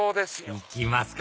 行きますか！